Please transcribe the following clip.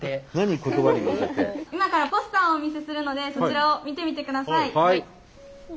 今からポスターをお見せするのでそちらを見てみてください。